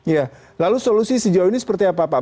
ya lalu solusi sejauh ini seperti apa pak